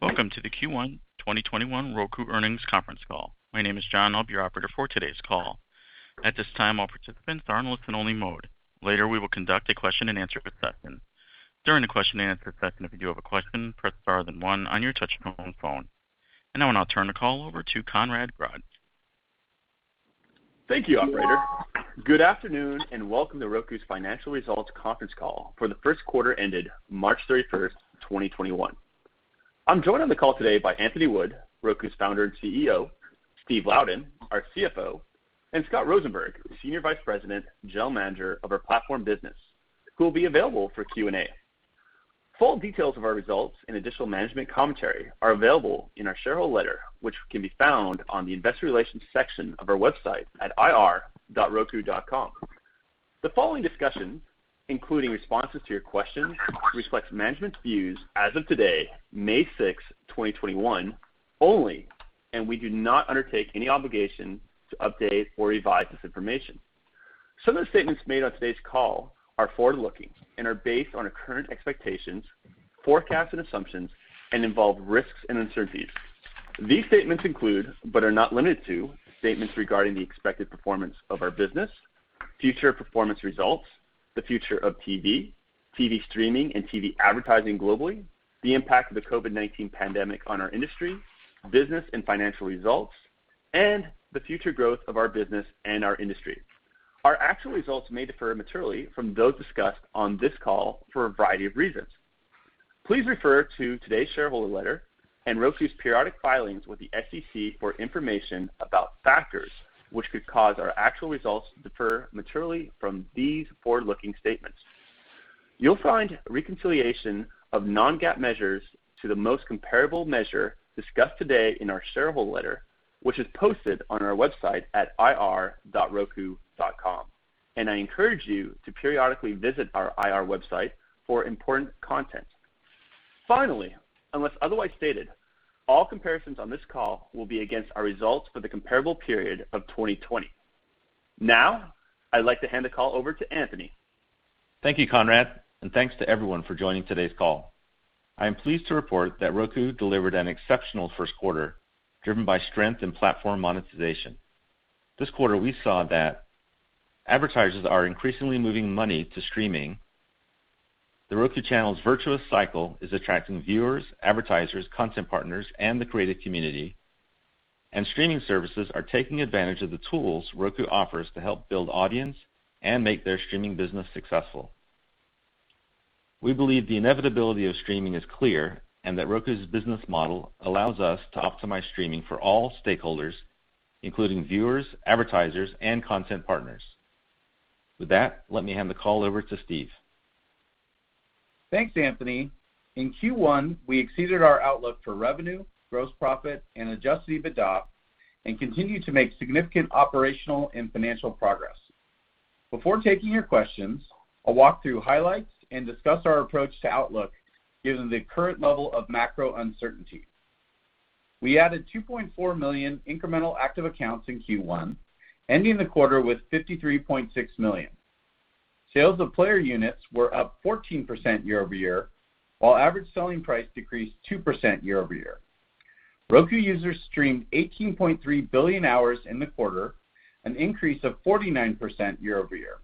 Welcome to the Q1 2021 Roku Earnings Conference Call. My name is John, I'll be your operator for today's call. At this time, all participants are in listen only mode. Later, we will conduct a question-and-answer session. During the question-and-answer session, if you do have a question, press star then one on your touchtone phone. Now I'll turn the call over to Conrad Grodd. Thank you, operator. Good afternoon, welcome to Roku's Financial Results Conference Call for the first quarter ended 31 March 2021. I'm joined on the call today by Anthony Wood, Roku's Founder and CEO, Steve Louden, our CFO, and Scott Rosenberg, Senior Vice President and General Manager of our platform business, who will be available for Q&A. Full details of our results and additional management commentary are available in our shareholder letter, which can be found on the investor relations section of our website at ir.roku.com. The following discussion, including responses to your questions, reflects management's views as of today, 6 May 2021 only, and we do not undertake any obligation to update or revise this information. Some of the statements made on today's call are forward-looking and are based on our current expectations, forecasts, and assumptions and involve risks and uncertainties. These statements include, but are not limited to, statements regarding the expected performance of our business, future performance results, the future of TV streaming and TV advertising globally, the impact of the COVID-19 pandemic on our industry, business and financial results, and the future growth of our business and our industry. Our actual results may differ materially from those discussed on this call for a variety of reasons. Please refer to today's shareholder letter and Roku's periodic filings with the SEC for information about factors which could cause our actual results to differ materially from these forward-looking statements. You'll find a reconciliation of non-GAAP measures to the most comparable measure discussed today in our shareholder letter, which is posted on our website at ir.roku.com. I encourage you to periodically visit our IR website for important content. Unless otherwise stated, all comparisons on this call will be against our results for the comparable period of 2020. I'd like to hand the call over to Anthony. Thank you, Conrad, and thanks to everyone for joining today's call. I am pleased to report that Roku delivered an exceptional first quarter, driven by strength in platform monetization. This quarter, we saw that advertisers are increasingly moving money to streaming. The Roku Channel's virtuous cycle is attracting viewers, advertisers, content partners, and the creative community. Streaming services are taking advantage of the tools Roku offers to help build audience and make their streaming business successful. We believe the inevitability of streaming is clear and that Roku's business model allows us to optimize streaming for all stakeholders, including viewers, advertisers, and content partners. With that, let me hand the call over to Steve. Thanks, Anthony. In Q1, we exceeded our outlook for revenue, gross profit, and adjusted EBITDA, and continued to make significant operational and financial progress. Before taking your questions, I'll walk through highlights and discuss our approach to outlook given the current level of macro uncertainty. We added 2.4 million incremental active accounts in Q1, ending the quarter with 53.6 million. Sales of player units were up 14% year-over-year, while average selling price decreased 2% year-over-year. Roku users streamed 18.3 billion hours in the quarter, an increase of 49% year-over-year.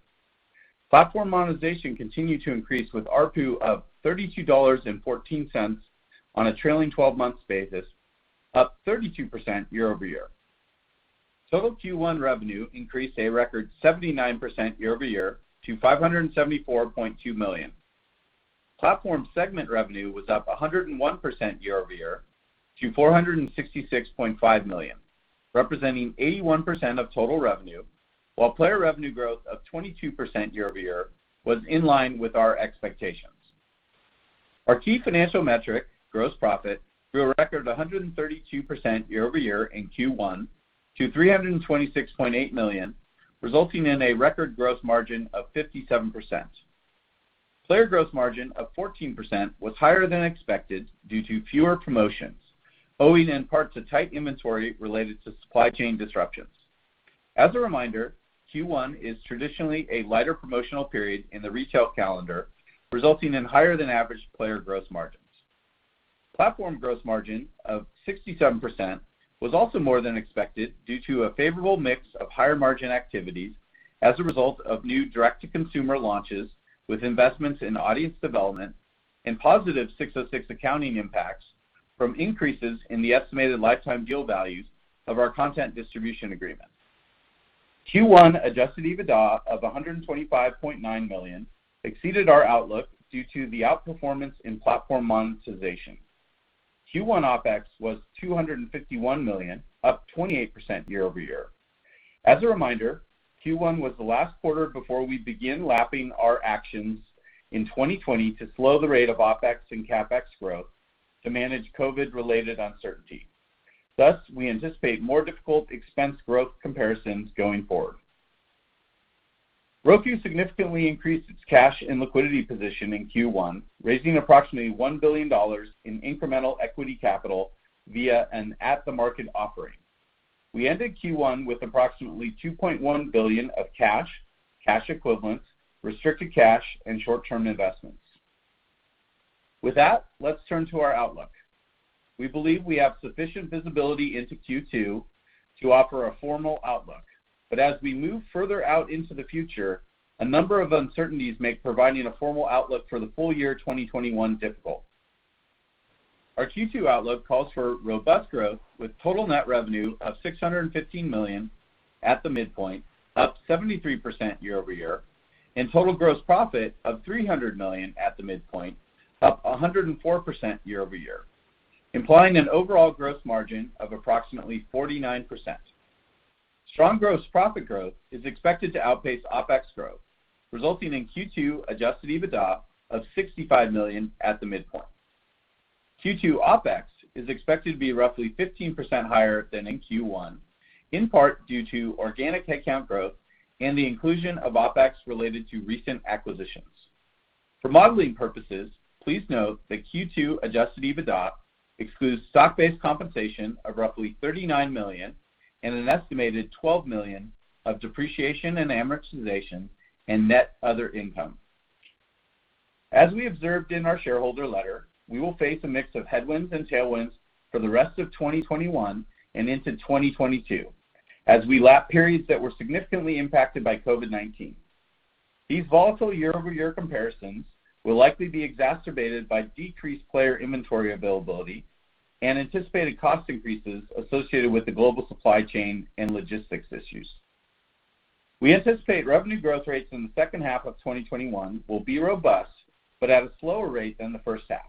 Platform monetization continued to increase with ARPU of $32.14 on a trailing 12 months basis, up 32% year-over-year. Total Q1 revenue increased a record 79% year-over-year to $574.2 million. Platform segment revenue was up 101% year-over-year to $466.5 million, representing 81% of total revenue, while player revenue growth of 22% year-over-year was in line with our expectations. Our key financial metric, gross profit, grew a record 132% year-over-year in Q1 to $326.8 million, resulting in a record gross margin of 57%. Player gross margin of 14% was higher than expected due to fewer promotions, owing in part to tight inventory related to supply chain disruptions. As a reminder, Q1 is traditionally a lighter promotional period in the retail calendar, resulting in higher than average player gross margins. Platform gross margin of 67% was also more than expected due to a favorable mix of higher margin activities as a result of new direct-to-consumer launches with investments in audience development and positive 606 accounting impacts from increases in the estimated lifetime deal values of our content distribution agreements. Q1 adjusted EBITDA of $125.9 million exceeded our outlook due to the outperformance in platform monetization. Q1 OpEx was $251 million, up 28% year-over-year. As a reminder, Q1 was the last quarter before we begin lapping our actions in 2020 to slow the rate of OpEx and CapEx growth to manage COVID-related uncertainty. Thus, we anticipate more difficult expense growth comparisons going forward. Roku significantly increased its cash and liquidity position in Q1, raising approximately $1 billion in incremental equity capital via an at-the-market offering. We ended Q1 with approximately $2.1 billion of cash equivalents, restricted cash, and short-term investments. With that, let's turn to our outlook. We believe we have sufficient visibility into Q2 to offer a formal outlook. As we move further out into the future, a number of uncertainties make providing a formal outlook for the full year 2021 difficult. Our Q2 outlook calls for robust growth, with total net revenue of $615 million at the midpoint, up 73% year-over-year, and total gross profit of $300 million at the midpoint, up 104% year-over-year, implying an overall gross margin of approximately 49%. Strong gross profit growth is expected to outpace OpEx growth, resulting in Q2 adjusted EBITDA of $65 million at the midpoint. Q2 OpEx is expected to be roughly 15% higher than in Q1, in part due to organic headcount growth and the inclusion of OpEx related to recent acquisitions. For modeling purposes, please note that Q2 adjusted EBITDA excludes stock-based compensation of roughly $39 million and an estimated $12 million of depreciation and amortization and net other income. As we observed in our shareholder letter, we will face a mix of headwinds and tailwinds for the rest of 2021 and into 2022 as we lap periods that were significantly impacted by COVID-19. These volatile year-over-year comparisons will likely be exacerbated by decreased player inventory availability and anticipated cost increases associated with the global supply chain and logistics issues. We anticipate revenue growth rates in the second half of 2021 will be robust, but at a slower rate than the first half.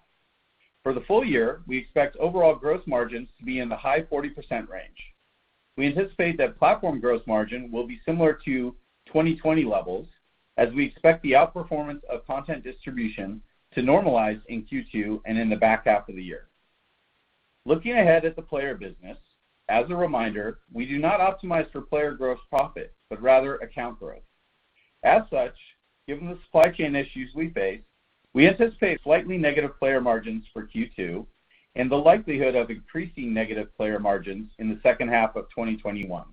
For the full year, we expect overall gross margins to be in the high 40% range. We anticipate that platform gross margin will be similar to 2020 levels as we expect the outperformance of content distribution to normalize in Q2 and in the back half of the year. Looking ahead at the player business, as a reminder, we do not optimize for player gross profit, but rather account growth. As such, given the supply chain issues we face, we anticipate slightly negative player margins for Q2 and the likelihood of increasing negative player margins in the second half of 2021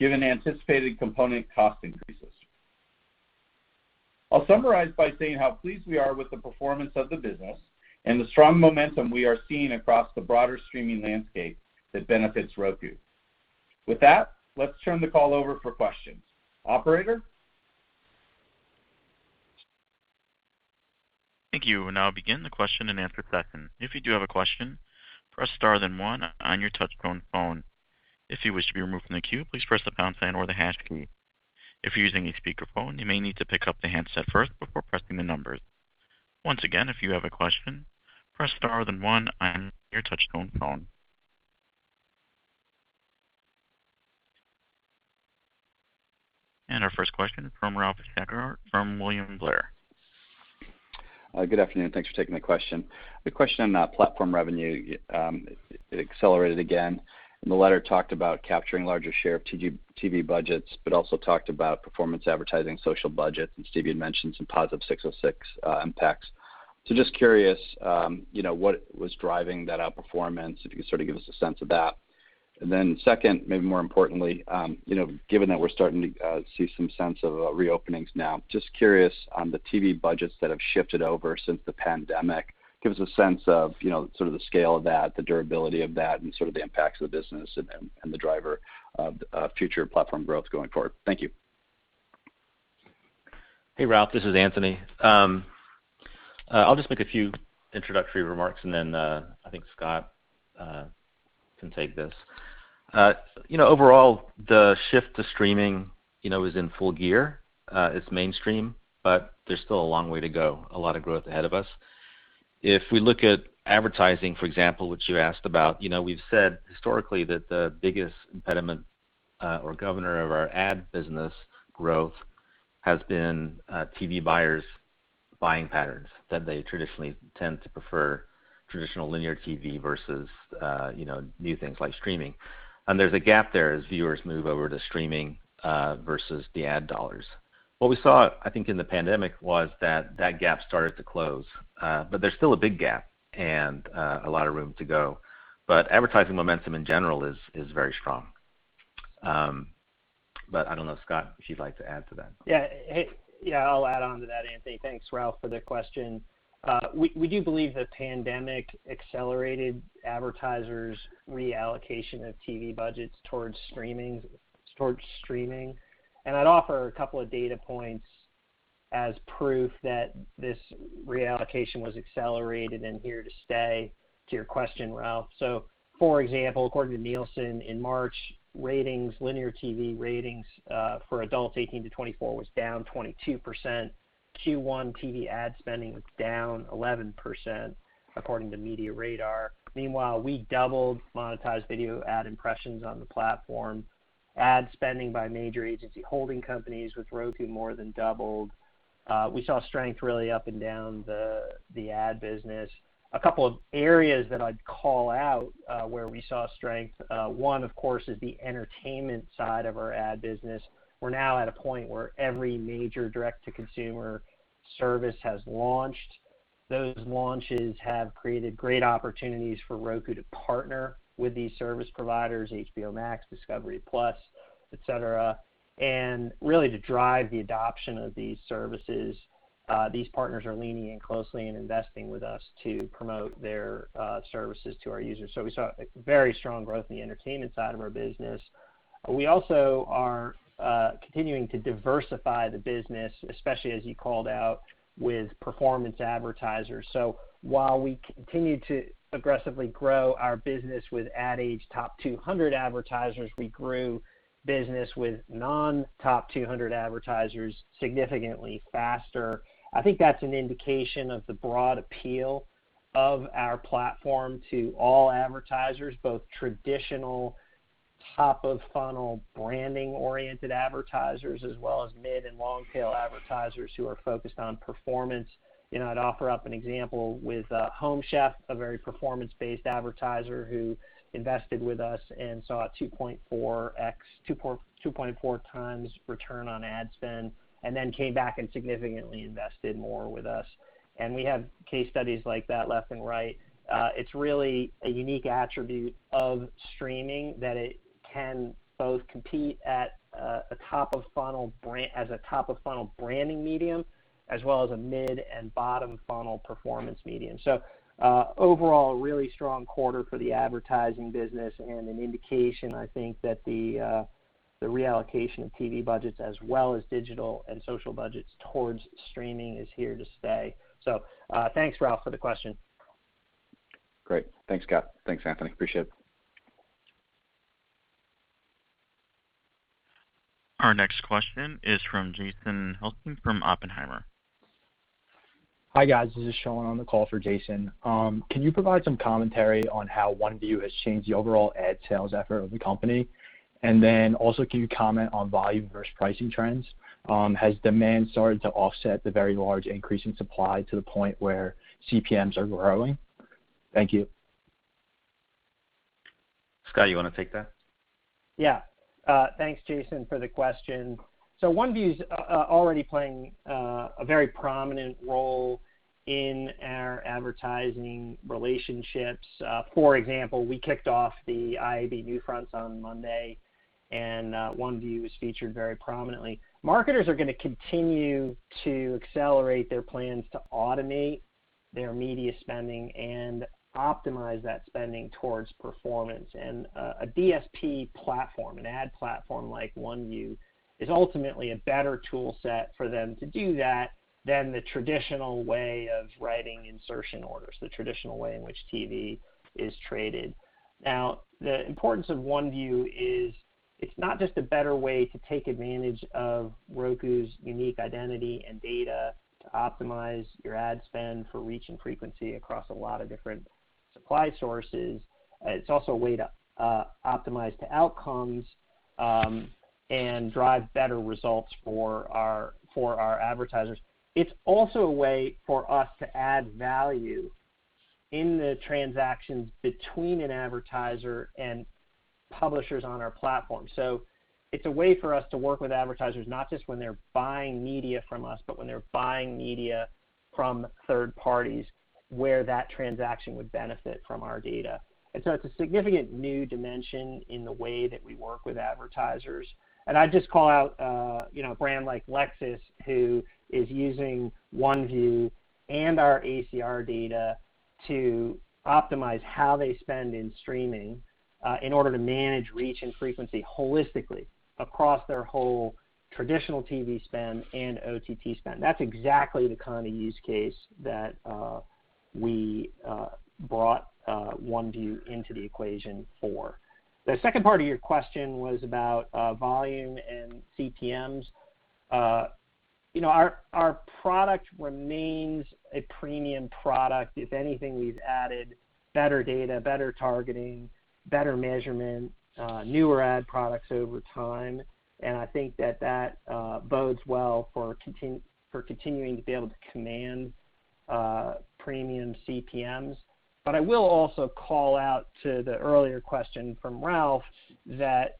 given anticipated component cost increases. I'll summarize by saying how pleased we are with the performance of the business and the strong momentum we are seeing across the broader streaming landscape that benefits Roku. With that, let's turn the call over for questions. Operator? Our first question from Ralph Schackart from William Blair. Good afternoon. Thanks for taking the question. The question on platform revenue, it accelerated again. The letter talked about capturing larger share of CTV budgets, also talked about performance advertising, social budgets. Steve had mentioned some positive 606 impacts. Just curious, you know, what was driving that outperformance, if you could sort of give us a sense of that. Then second, maybe more importantly, you know, given that we're starting to see some sense of reopenings now, just curious on the TV budgets that have shifted over since the pandemic. Give us a sense of, you know, sort of the scale of that, the durability of that, and sort of the impacts of the business and the driver of future platform growth going forward. Thank you. Hey, Ralph. This is Anthony. I'll just make a few introductory remarks, and then I think Scott can take this. You know, overall, the shift to streaming, you know, is in full gear. It's mainstream, there's still a long way to go, a lot of growth ahead of us. If we look at advertising, for example, which you asked about, you know, we've said historically that the biggest impediment or governor of our ad business growth has been TV buyers' buying patterns, that they traditionally tend to prefer traditional linear TV versus, you know, new things like streaming. There's a gap there as viewers move over to streaming versus the ad dollars. What we saw, I think, in the pandemic was that that gap started to close. There's still a big gap and a lot of room to go. Advertising momentum in general is very strong. I don't know, Scott, if you'd like to add to that. Yeah. Hey. Yeah, I'll add on to that, Anthony. Thanks, Ralph, for the question. We do believe the pandemic accelerated advertisers' reallocation of TV budgets towards streaming. I'd offer a couple of data points as proof that this reallocation was accelerated and here to stay to your question, Ralph. For example, according to Nielsen, in March, ratings, linear TV ratings, for adults 18 to 24 was down 22%. Q1 TV ad spending was down 11% according to MediaRadar. Meanwhile, we doubled monetized video ad impressions on the platform. Ad spending by major agency holding companies with Roku more than doubled. We saw strength really up and down the ad business. A couple of areas that I'd call out where we saw strength, one, of course, is the entertainment side of our ad business. We're now at a point where every major direct-to-consumer service has launched. Those launches have created great opportunities for Roku to partner with these service providers, HBO Max, Discovery+, et cetera, and really to drive the adoption of these services. These partners are leaning in closely and investing with us to promote their services to our users. We saw very strong growth in the entertainment side of our business. We also are continuing to diversify the business, especially as you called out, with performance advertisers. While we continue to aggressively grow our business with Ad Age Top 200 advertisers, we grew business with non-Top 200 advertisers significantly faster. I think that's an indication of the broad appeal of our platform to all advertisers, both traditional top of funnel branding-oriented advertisers, as well as mid and long tail advertisers who are focused on performance. You know, I'd offer up an example with Home Chef, a very performance-based advertiser who invested with us and saw a 2.4x, 2.4x return on ad spend, and then came back and significantly invested more with us. We have case studies like that left and right. It's really a unique attribute of streaming that it can both compete at a top of funnel brand, as a top of funnel branding medium, as well as a mid and bottom funnel performance medium. Overall, a really strong quarter for the advertising business and an indication, I think, that the reallocation of TV budgets as well as digital and social budgets towards streaming is here to stay. Thanks, Ralph, for the question. Great. Thanks, Scott. Thanks, Anthony. Appreciate it. Our next question is from Jason Helfstein from Oppenheimer. Hi, guys. This is Sean on the call for Jason. Can you provide some commentary on how OneView has changed the overall ad sales effort of the company? Can you comment on volume versus pricing trends? Has demand started to offset the very large increase in supply to the point where CPMs are growing? Thank you. Scott, you wanna take that? Yeah. Thanks, Jason, for the question. OneView's already playing a very prominent role in our advertising relationships. For example, we kicked off the IAB NewFronts on Monday, and OneView was featured very prominently. Marketers are gonna continue to accelerate their plans to automate their media spending and optimize that spending towards performance. A DSP platform, an ad platform like OneView, is ultimately a better tool set for them to do that than the traditional way of writing insertion orders, the traditional way in which TV is traded. Now, the importance of OneView is it's not just a better way to take advantage of Roku's unique identity and data to optimize your ad spend for reach and frequency across a lot of different supply sources. It's also a way to optimize to outcomes and drive better results for our advertisers. It's also a way for us to add value in the transactions between an advertiser and publishers on our platform. It's a way for us to work with advertisers, not just when they're buying media from us, but when they're buying media from third parties where that transaction would benefit from our data. It's a significant new dimension in the way that we work with advertisers. I'd just call out, you know, a brand like Lexus, who is using OneView and our ACR data to optimize how they spend in streaming in order to manage reach and frequency holistically across their whole traditional TV spend and OTT spend. That's exactly the kind of use case that we brought OneView into the equation for. The second part of your question was about volume and CPMs. You know, our product remains a premium product. If anything, we've added better data, better targeting, better measurement, newer ad products over time. I think that that bodes well for continuing to be able to command premium CPMs. I will also call out to the earlier question from Ralph that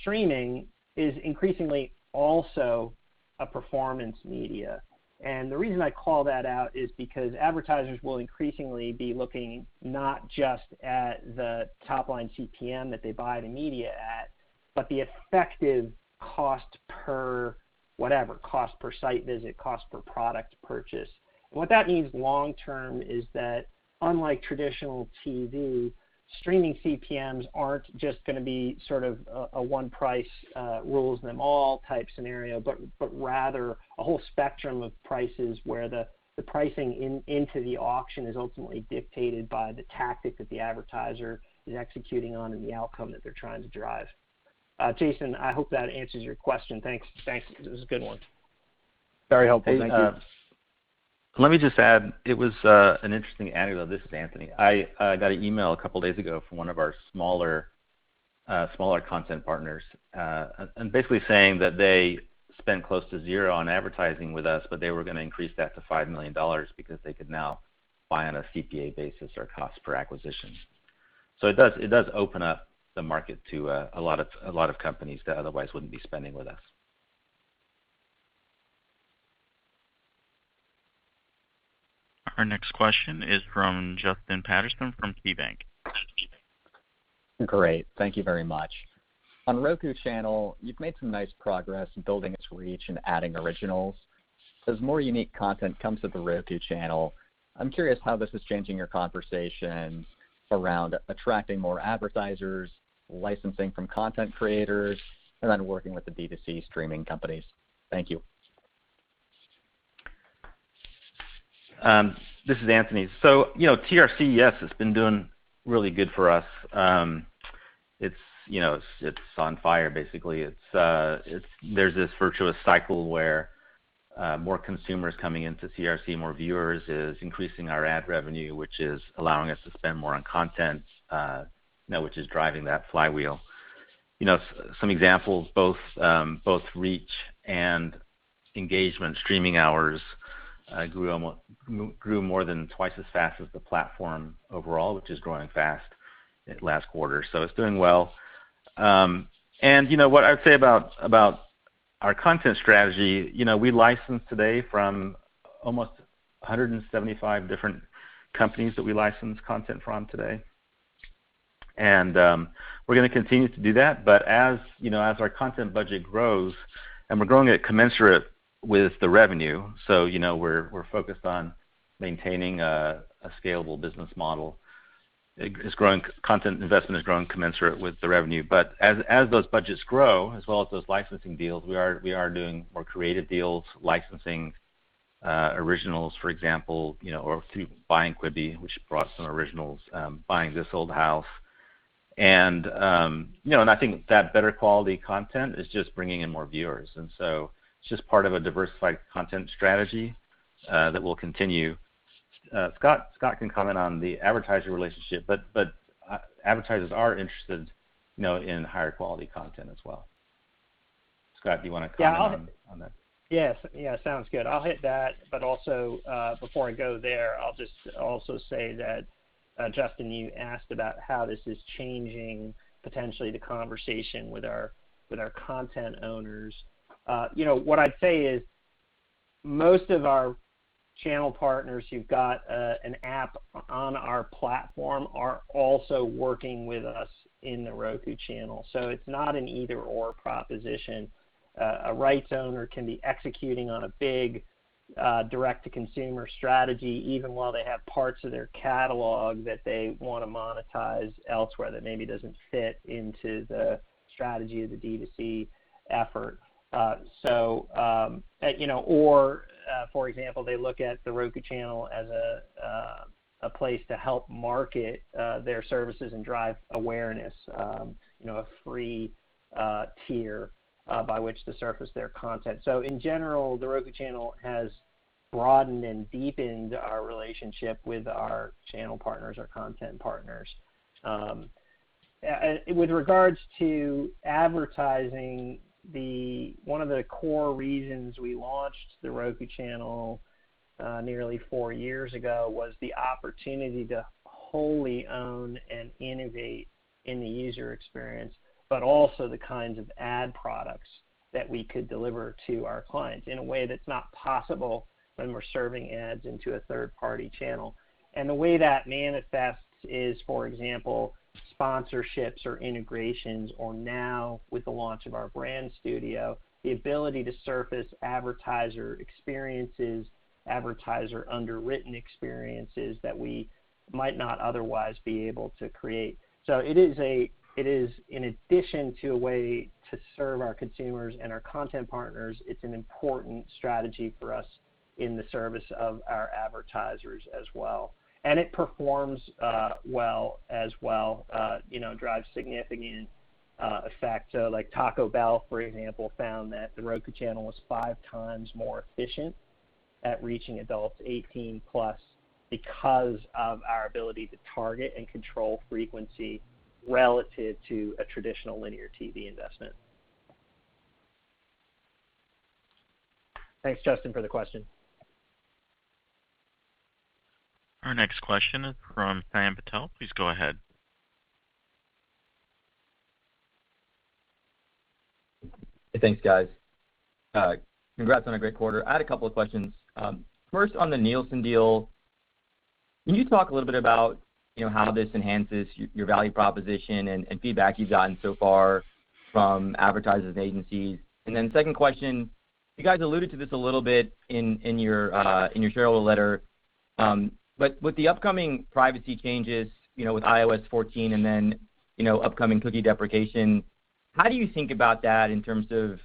streaming is increasingly also a performance media. The reason I call that out is because advertisers will increasingly be looking not just at the top-line CPM that they buy the media at, but the effective cost per whatever, cost per site visit, cost per product purchase. What that means long term is that unlike traditional TV, streaming CPMs aren't just going to be sort of a one price rules them all type scenario, but rather a whole spectrum of prices where the pricing into the auction is ultimately dictated by the tactic that the advertiser is executing on and the outcome that they're trying to drive. Jason, I hope that answers your question. Thanks. It was a good one. Very helpful. Thank you. Let me just add, it was an interesting anecdote. This is Anthony. I got an email a couple days ago from one of our smaller content partners, and basically saying that they spent close to zero on advertising with us, but they were gonna increase that to $5 million because they could now buy on a CPA basis or cost per acquisition. It does open up the market to a lot of companies that otherwise wouldn't be spending with us. Our next question is from Justin Patterson from KeyBanc. Great. Thank you very much. On The Roku Channel, you've made some nice progress building its reach and adding originals. As more unique content comes to The Roku Channel, I'm curious how this is changing your conversations around attracting more advertisers, licensing from content creators, and then working with the B2C streaming companies. Thank you. This is Anthony. You know, TRC, yes, it's been doing really good for us. It's, you know, it's on fire basically. It's, there's this virtuous cycle where more consumers coming into TRC, more viewers is increasing our ad revenue, which is allowing us to spend more on content, you know, which is driving that flywheel. You know, some examples, both reach and engagement streaming hours grew more than twice as fast as the platform overall, which is growing fast at last quarter. It's doing well. You know, what I'd say about our content strategy, you know, we license today from almost 175 different companies that we license content from today. We're gonna continue to do that. As, you know, as our content budget grows, and we're growing it commensurate with the revenue, we're focused on maintaining a scalable business model. It's growing content investment is growing commensurate with the revenue. As those budgets grow, as well as those licensing deals, we are doing more creative deals, licensing originals, for example, you know, or through buying Quibi, which brought some originals, buying This Old House. You know, and I think that better quality content is just bringing in more viewers. It's just part of a diversified content strategy that will continue. Scott can comment on the advertiser relationship, but advertisers are interested, you know, in higher quality content as well. Scott, do you wanna comment on that? Sounds good. I'll hit that. Also, before I go there, I'll just also say that, Justin, you asked about how this is changing potentially the conversation with our, with our content owners. You know, what I'd say is most of our channel partners who've got an app on our platform are also working with us in The Roku Channel. It's not an either/or proposition. A rights owner can be executing on a big direct-to-consumer strategy, even while they have parts of their catalog that they wanna monetize elsewhere that maybe doesn't fit into the strategy of the D2C effort. For example, they look at The Roku Channel as a place to help market their services and drive awareness, a free tier by which to surface their content. In general, The Roku Channel has broadened and deepened our relationship with our channel partners, our content partners. With regards to advertising, one of the core reasons we launched The Roku Channel nearly four years ago was the opportunity to wholly own and innovate in the user experience, but also the kinds of ad products that we could deliver to our clients in a way that's not possible when we're serving ads into a third-party channel. The way that manifests is, for example, sponsorships or integrations, or now with the launch of our Roku Brand Studio, the ability to surface advertiser experiences, advertiser underwritten experiences that we might not otherwise be able to create. It is in addition to a way to serve our consumers and our content partners, it's an important strategy for us in the service of our advertisers as well. It performs well as well, you know, drives significant effect. Like Taco Bell, for example, found that The Roku Channel was 5x more efficient at reaching adults 18+ because of our ability to target and control frequency relative to a traditional linear TV investment. Thanks, Justin, for the question. Our next question is from Shyam Patil. Please go ahead. Thanks, guys. Congrats on a great quarter. I had a couple of questions. First on the Nielsen deal, can you talk a little bit about, you know, how this enhances your value proposition, and feedback you've gotten so far from advertisers and agencies? Second question, you guys alluded to this a little bit in your shareholder letter. With the upcoming privacy changes, you know, with iOS 14 and then, you know, upcoming cookie deprecation, how do you think about that in terms of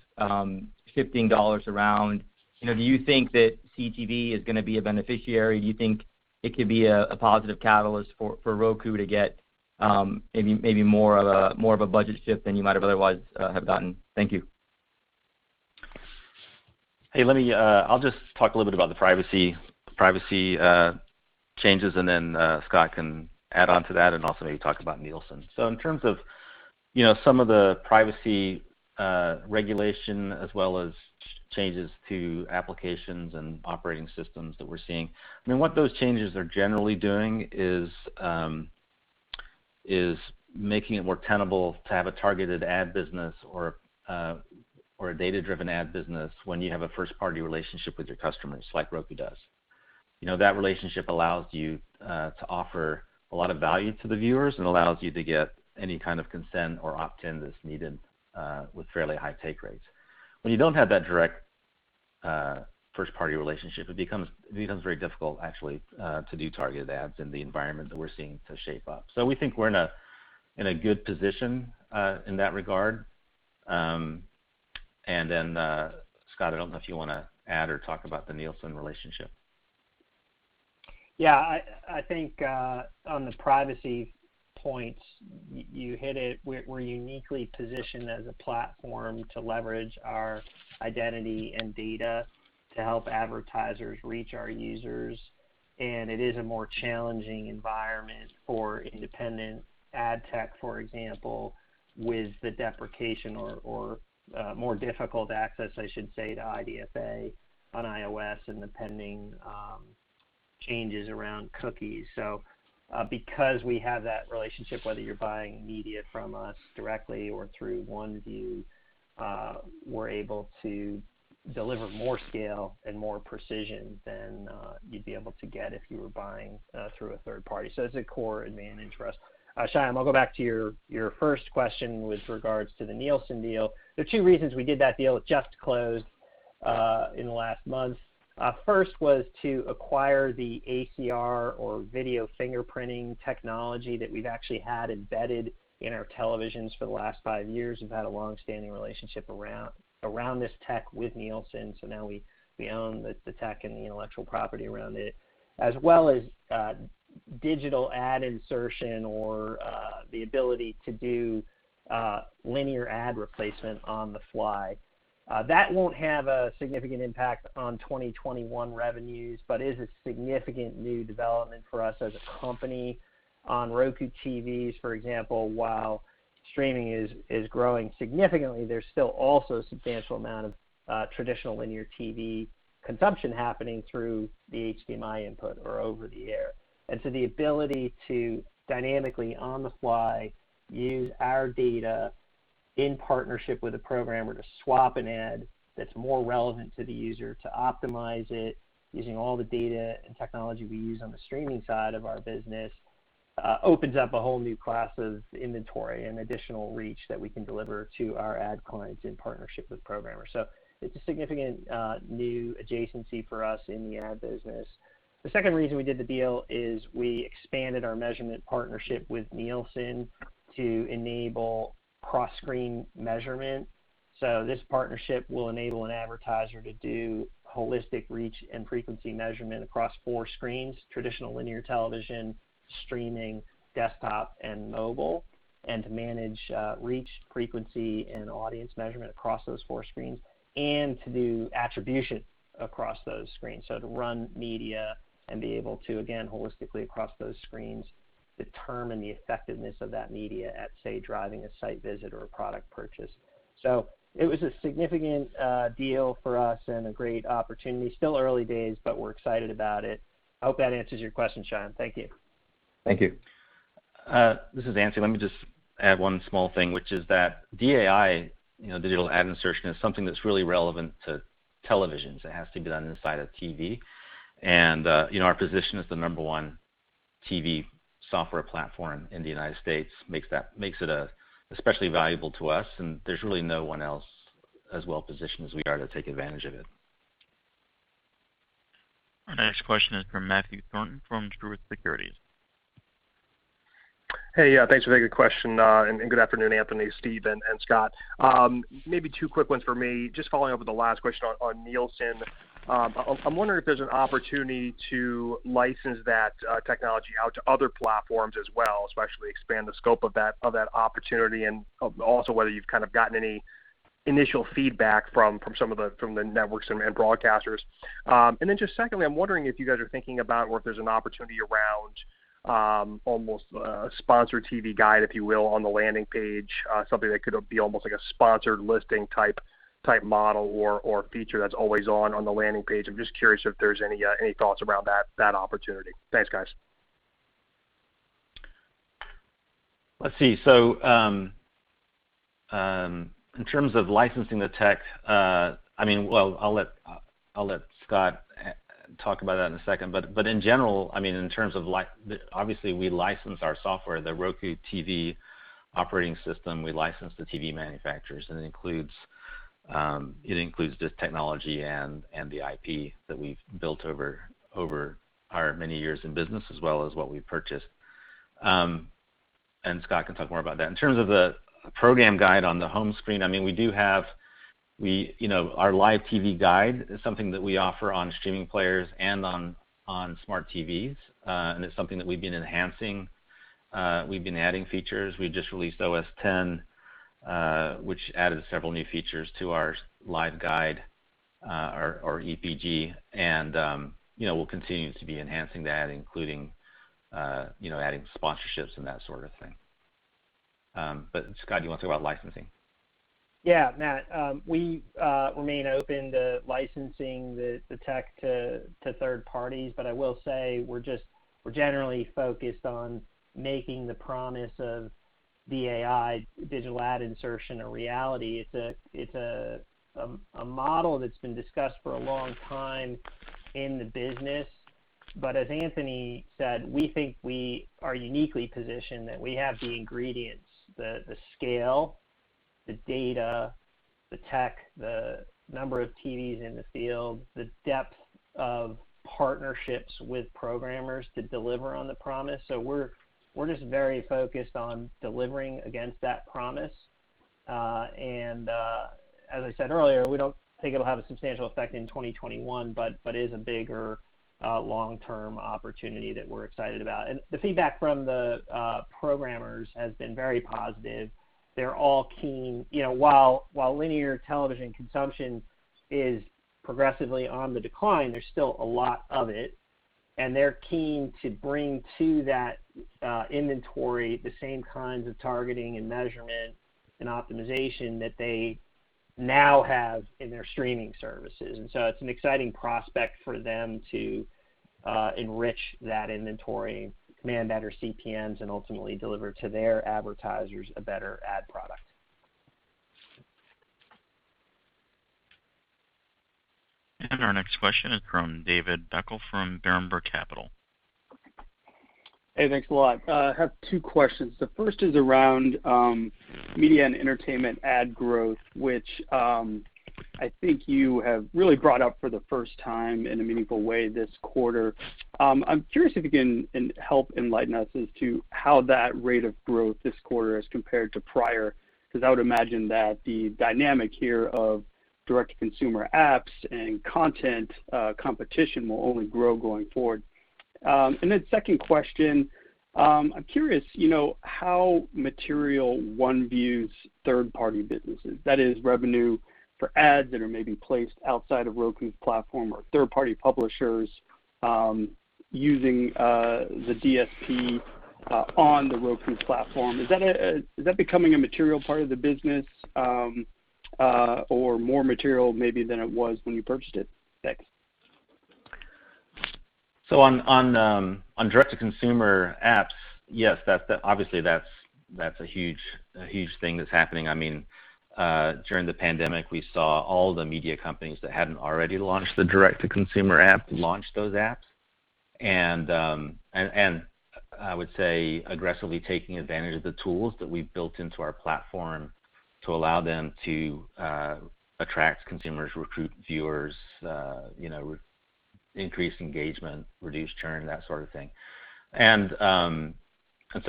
shifting dollars around? You know, do you think that CTV is gonna be a beneficiary? Do you think it could be a positive catalyst for Roku to get maybe more of a budget shift than you might have otherwise have gotten? Thank you. Hey, let me, I'll just talk a little bit about the privacy changes, then Scott can add onto that and also maybe talk about Nielsen. In terms of, you know, some of the privacy regulation as well as changes to applications and operating systems that we're seeing, I mean, what those changes are generally doing is making it more tenable to have a targeted ad business or a data-driven ad business when you have a first-party relationship with your customers like Roku does. You know, that relationship allows you to offer a lot of value to the viewers and allows you to get any kind of consent or opt-in that's needed with fairly high take rates. When you don't have that direct, first-party relationship, it becomes very difficult actually to do targeted ads in the environment that we're seeing to shape up. We think we're in a good position in that regard. Scott, I don't know if you wanna add or talk about the Nielsen relationship. Yeah. I think, on the privacy points, you hit it. We're uniquely positioned as a platform to leverage our identity and data to help advertisers reach our users. It is a more challenging environment for independent ad tech, for example, with the deprecation or more difficult access, I should say, to IDFA on iOS and the pending changes around cookies. Because we have that relationship, whether you're buying media from us directly or through OneView, we're able to deliver more scale and more precision than you'd be able to get if you were buying through a third party. That's a core advantage for us. Shyam, I'll go back to your first question with regards to the Nielsen deal. There are two reasons we did that deal. It just closed in the last month. First was to acquire the ACR or video fingerprinting technology that we've actually had embedded in our televisions for the last five years. We've had a long-standing relationship around this tech with Nielsen, so now we own the tech and the intellectual property around it, as well as digital ad insertion or the ability to do linear ad replacement on the fly. That won't have a significant impact on 2021 revenues, but is a significant new development for us as a company. On Roku TVs, for example, while streaming is growing significantly, there's still also a substantial amount of traditional linear TV consumption happening through the HDMI input or over the air. The ability to dynamically, on the fly, use our data in partnership with a programmer to swap an ad that's more relevant to the user to optimize it using all the data and technology we use on the streaming side of our business, opens up a whole new class of inventory and additional reach that we can deliver to our ad clients in partnership with programmers. It's a significant new adjacency for us in the ad business. The second reason we did the deal is we expanded our measurement partnership with Nielsen to enable cross-screen measurement. This partnership will enable an advertiser to do holistic reach and frequency measurement across four screens, traditional linear television, streaming, desktop, and mobile, and to manage reach, frequency, and audience measurement across those four screens, and to do attribution across those screens. To run media and be able to, again, holistically across those screens, determine the effectiveness of that media at, say, driving a site visit or a product purchase. It was a significant deal for us and a great opportunity. Still early days, but we're excited about it. I hope that answers your question, Shyam. Thank you. Thank you. This is Anthony. Let me just add one small thing, which is that DAI, you know, digital ad insertion, is something that's really relevant to televisions. It has to be done inside a TV. You know, our position as the number one TV software platform in the U.S. makes it especially valuable to us, and there's really no one else as well-positioned as we are to take advantage of it. Our next question is from Matthew Thornton from Truist Securities. Hey. Yeah, thanks for a very good question. Good afternoon, Anthony, Steve, and Scott. Maybe two quick ones for me. Just following up with the last question on Nielsen. I'm wondering if there's an opportunity to license that technology out to other platforms as well, so actually expand the scope of that opportunity and also whether you've kind of gotten any initial feedback from some of the networks and broadcasters. Then just secondly, I'm wondering if you guys are thinking about or if there's an opportunity around almost a sponsored TV guide, if you will, on the landing page. Something that could be almost like a sponsored listing type model or feature that's always on the landing page. I'm just curious if there's any thoughts around that opportunity. Thanks, guys. Let's see. In terms of licensing the tech, I mean, well, I'll let Scott talk about that in a second. In general, I mean, in terms of obviously, we license our software. The Roku TV operating system, we license to TV manufacturers. It includes this technology and the IP that we've built over our many years in business as well as what we've purchased. Scott can talk more about that. In terms of the program guide on the home screen, I mean, we, you know, our live TV guide is something that we offer on streaming players and on smart TVs. It's something that we've been enhancing. We've been adding features. We just released OS 10, which added several new features to our live guide, our EPG. You know, we'll continue to be enhancing that, including, you know, adding sponsorships and that sort of thing. Scott, you want to talk about licensing? Yeah, Matt. We remain open to licensing tech to third parties. I will say we're generally focused on making the promise of the DAI digital ad insertion a reality. It's a model that's been discussed for a long time in the business. As Anthony said, we think we are uniquely positioned, that we have the ingredients, the scale, the data, the tech, the number of TVs in the field, the depth of partnerships with programmers to deliver on the promise. We're very focused on delivering against that promise. As I said earlier, we don't think it'll have a substantial effect in 2021, but is a bigger long-term opportunity that we're excited about. The feedback from programmers has been very positive. They're all keen. You know, while linear television consumption is progressively on the decline, there's still a lot of it, and they're keen to bring to that inventory the same kinds of targeting and measurement and optimization that they now have in their streaming services. It's an exciting prospect for them to enrich that inventory, command better CPMs, and ultimately deliver to their advertisers a better ad product. Our next question is from David Beckel from Berenberg Capital. Hey, thanks a lot. I have two questions. The first is around M&E ad growth, which I think you have really brought up for the first time in a meaningful way this quarter. I'm curious if you can help enlighten us as to how that rate of growth this quarter as compared to prior, because I would imagine that the dynamic here of D2C apps and content competition will only grow going forward. Then second question, I'm curious, you know, how material OneView's third-party business is. That is revenue for ads that are maybe placed outside of Roku's platform or third-party publishers, using the DSP on the Roku platform. Is that becoming a material part of the business, or more material maybe than it was when you purchased it? Thanks. On, on direct-to-consumer apps, yes, that's the obviously, that's a huge thing that's happening. I mean, during the pandemic, we saw all the media companies that hadn't already launched a direct-to-consumer app launch those apps. I would say aggressively taking advantage of the tools that we've built into our platform to allow them to attract consumers, recruit viewers, you know, increase engagement, reduce churn, that sort of thing.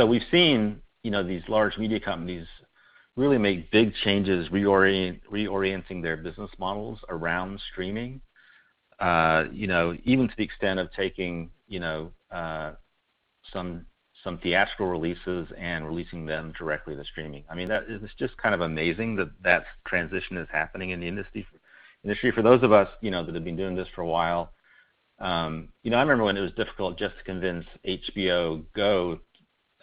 We've seen, you know, these large media companies really make big changes reorienting their business models around streaming, you know, even to the extent of taking, you know, some theatrical releases and releasing them directly to streaming. I mean, that is just kind of amazing that that transition is happening in the industry. For those of us, you know, that have been doing this for a while, you know, I remember when it was difficult just to convince HBO Go,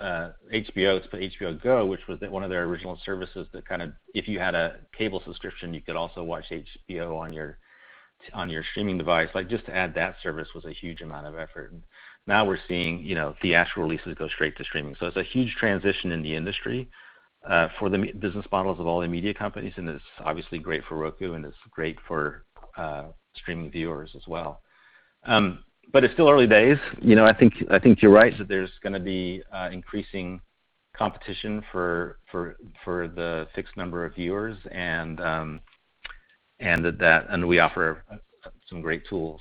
HBO to put HBO Go, which was one of their original services that kind of, if you had a cable subscription, you could also watch HBO on your, on your streaming device. Like, just to add that service was a huge amount of effort. Now we're seeing, you know, theatrical releases go straight to streaming. It's a huge transition in the industry for the business models of all the media companies, and it's obviously great for Roku, and it's great for streaming viewers as well. It's still early days. You know, I think, I think you're right that there's gonna be increasing competition for the fixed number of viewers and we offer some great tools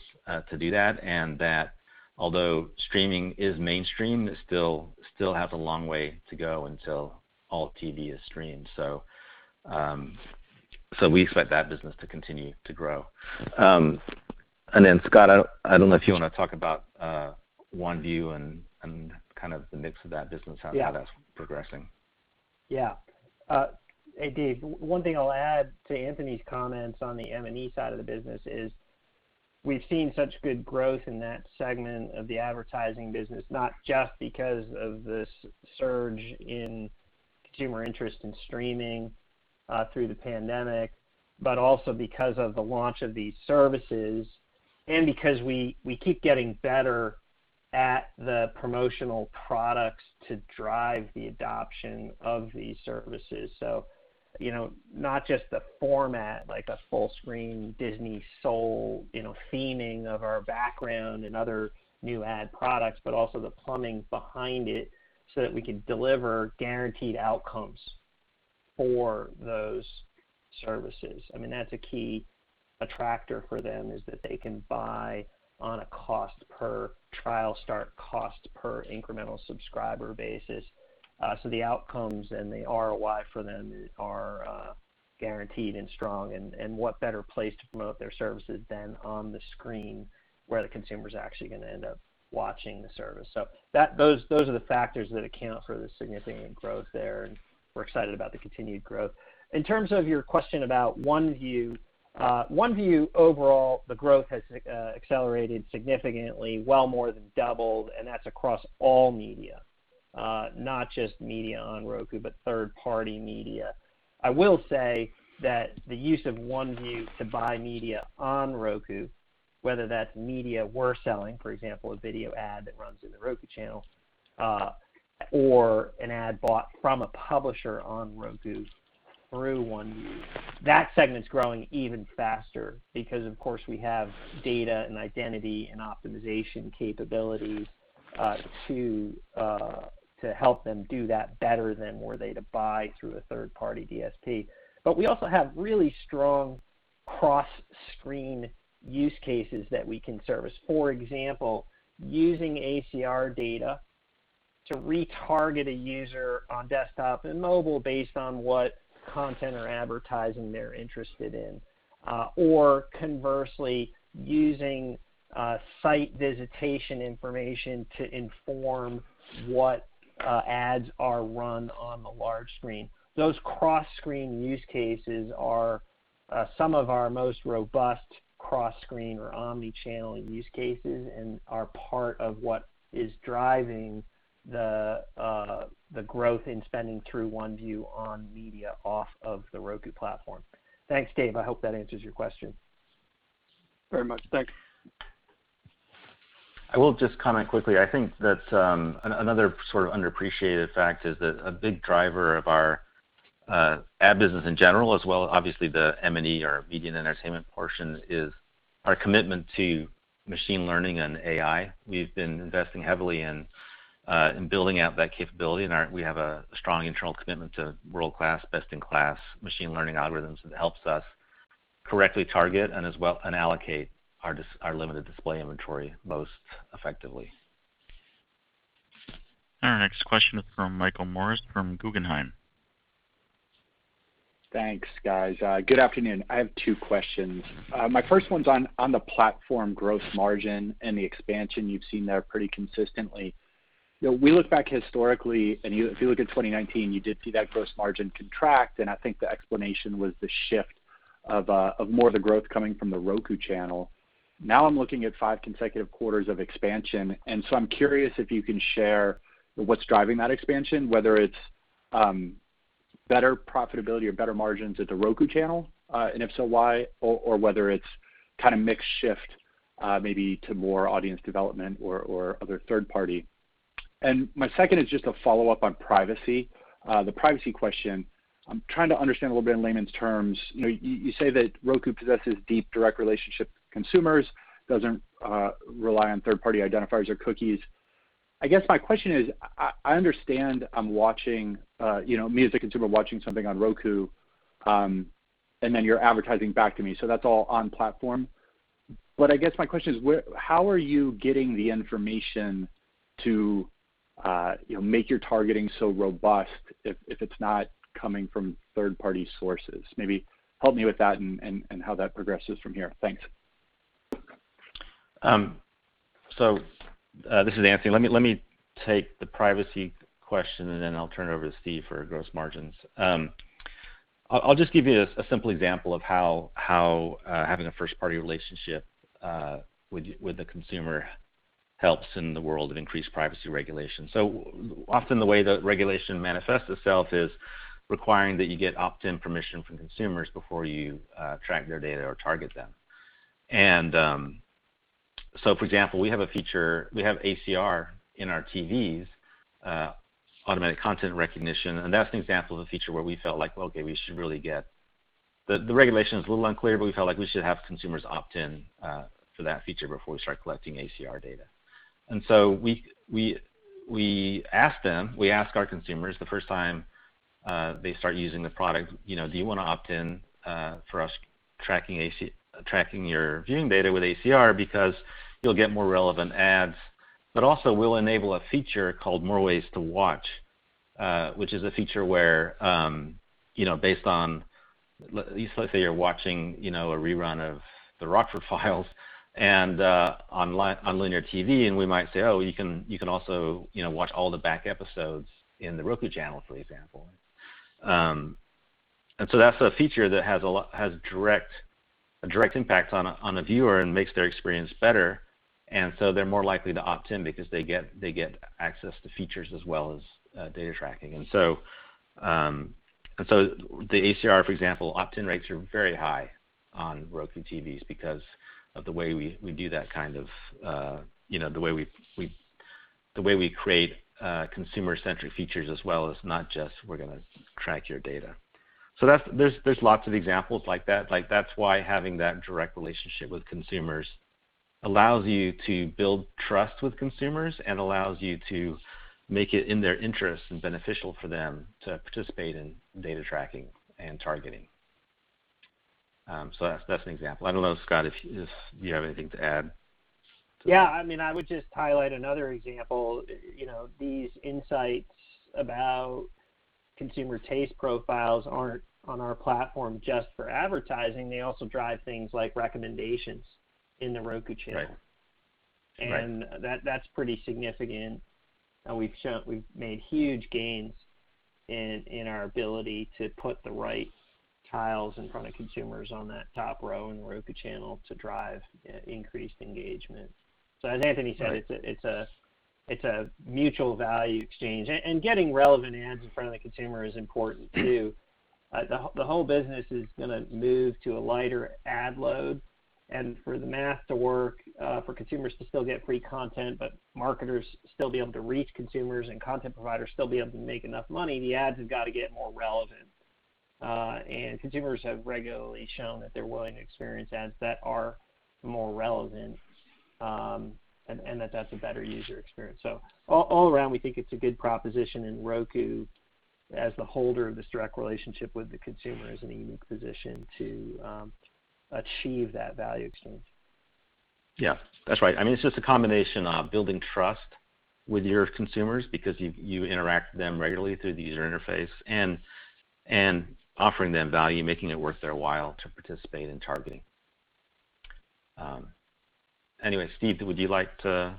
to do that. That although streaming is mainstream, it still has a long way to go until all TV is streamed. We expect that business to continue to grow. Then Scott, I don't know if you wanna talk about OneView and kind of the mix of that business. Yeah how that's progressing. Hey, David. One thing I'll add to Anthony's comments on the M&E side of the business is we've seen such good growth in that segment of the advertising business, not just because of the surge in consumer interest in streaming through the pandemic, but also because of the launch of these services and because we keep getting better at the promotional products to drive the adoption of these services. You know, not just the format like a full-screen Disney Soul, you know, theming of our background and other new ad products, but also the plumbing behind it so that we can deliver guaranteed outcomes for those services. I mean, that's a key attractor for them, is that they can buy on a cost per trial start, cost per incremental subscriber basis. The outcomes and the ROI for them are guaranteed and strong. What better place to promote their services than on the screen where the consumer's actually gonna end up watching the service? Those are the factors that account for the significant growth there, and we're excited about the continued growth. In terms of your question about OneView overall, the growth has accelerated significantly, well more than doubled, and that's across all media. Not just media on Roku, but third-party media. I will say that the use of OneView to buy media on Roku, whether that's media we're selling, for example, a video ad that runs in The Roku Channel, or an ad bought from a publisher on Roku through OneView, that segment's growing even faster because, of course, we have data and identity and optimization capabilities to help them do that better than were they to buy through a third-party DSP. We also have really strong cross-screen use cases that we can service. For example, using ACR data to retarget a user on desktop and mobile based on what content or advertising they're interested in. Or conversely, using site visitation information to inform what ads are run on the large screen. Those cross-screen use cases are some of our most robust cross-screen or omni-channel use cases and are part of what is driving the growth in spending through OneView on media off of the Roku platform. Thanks, David. I hope that answers your question. Very much. Thanks. I will just comment quickly. I think that, another sort of underappreciated fact is that a big driver of our ad business in general as well, obviously the M&E, our media and entertainment portion, is our commitment to machine learning and DAI. We've been investing heavily in building out that capability and we have a strong internal commitment to world-class, best-in-class machine learning algorithms that helps us correctly target and allocate our limited display inventory most effectively. Our next question is from Michael Morris from Guggenheim. Thanks, guys. Good afternoon. I have two questions. My first one's on the platform gross margin and the expansion you've seen there pretty consistently. You know, we look back historically, if you look at 2019, you did see that gross margin contract, and I think the explanation was the shift of more of the growth coming from The Roku Channel. Now I'm looking at 5 consecutive quarters of expansion, so I'm curious if you can share what's driving that expansion, whether it's better profitability or better margins at The Roku Channel, and if so, why, or whether it's kind of mixed shift, maybe to more audience development or other third party. My second is just a follow-up on privacy. The privacy question, I'm trying to understand a little bit in layman's terms. You know, you say that Roku possesses deep direct relationship with consumers, doesn't rely on third-party identifiers or cookies. I guess my question is, I understand I'm watching, you know, me as a consumer watching something on Roku, and then you're advertising back to me, that's all on platform. I guess my question is how are you getting the information to, you know, make your targeting so robust if it's not coming from third-party sources? Maybe help me with that and how that progresses from here. Thanks. This is Anthony. Let me, let me take the privacy question, and then I'll turn it over to Steve for gross margins. I'll just give you a simple example of how having a first-party relationship with the consumer helps in the world of increased privacy regulation. Often the way the regulation manifests itself is requiring that you get opt-in permission from consumers before you track their data or target them. For example, we have a feature, we have ACR in our TVs, automatic content recognition, and that's an example of a feature where we felt like, okay, we should really get The regulation is a little unclear, but we felt like we should have consumers opt in for that feature before we start collecting ACR data. We ask them, we ask our consumers the first time they start using the product, you know, "Do you wanna opt in for us tracking your viewing data with ACR because you'll get more relevant ads, but also we'll enable a feature called More Ways to Watch," which is a feature where, you know, based on let's say you're watching, you know, a rerun of The Rockford Files and on linear TV, and we might say, "Oh, you can, you can also, you know, watch all the back episodes in The Roku Channel," for example. That's a feature that has a direct impact on a viewer and makes their experience better. They're more likely to opt in because they get access to features as well as data tracking. The ACR, for example, opt-in rates are very high on Roku TVs because of the way we do that kind of, you know, the way we create consumer-centric features as well as not just we're gonna track your data. That's there's lots of examples like that. Like, that's why having that direct relationship with consumers allows you to build trust with consumers and allows you to make it in their interest and beneficial for them to participate in data tracking and targeting. That's an example. I don't know, Scott, if you have anything to add to that? Yeah, I mean, I would just highlight another example. You know, these insights about consumer taste profiles aren't on our platform just for advertising. They also drive things like recommendations in The Roku Channel. Right. Right. That's pretty significant, we've made huge gains in our ability to put the right tiles in front of consumers on that top row in The Roku Channel to drive increased engagement. As Anthony said. Right It's a mutual value exchange. Getting relevant ads in front of the consumer is important too. The whole business is gonna move to a lighter ad load. For the math to work, for consumers to still get free content, but marketers still be able to reach consumers, and content providers still be able to make enough money, the ads have gotta get more relevant. Consumers have regularly shown that they're willing to experience ads that are more relevant, and that's a better user experience. All around, we think it's a good proposition. Roku, as the holder of this direct relationship with the consumer, is in a unique position to achieve that value exchange. Yeah. That's right. I mean, it's just a combination of building trust with your consumers because you interact with them regularly through the user interface and offering them value, making it worth their while to participate in targeting. Anyway, Steve, would you like to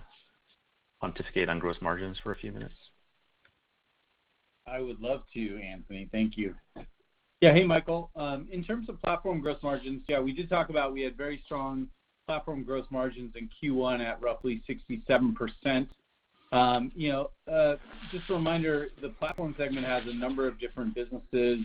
pontificate on gross margins for a few minutes? I would love to, Anthony. Thank you. Hey, Michael. In terms of platform gross margins, we did talk about we had very strong platform gross margins in Q1 at roughly 67%. You know, just a reminder, the platform segment has a number of different businesses,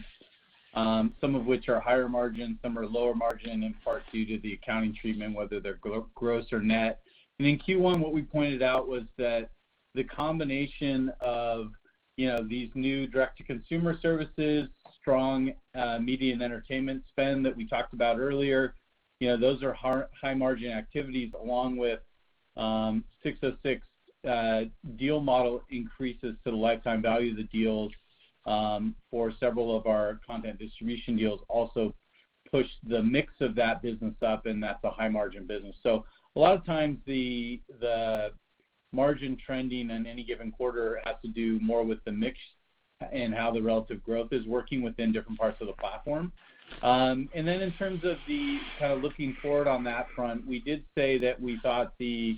some of which are higher margin, some are lower margin, in part due to the accounting treatment, whether they're gross or net. In Q1, what we pointed out was that the combination of, you know, these new direct-to-consumer services, strong media and entertainment spend that we talked about earlier, you know, those are high margin activities, along with 606 deal model increases to the lifetime value of the deals, for several of our content distribution deals, also push the mix of that business up, and that's a high margin business. A lot of times the margin trending in any given quarter has to do more with the mix and how the relative growth is working within different parts of the platform. Then in terms of looking forward on that front, we did say that we thought, you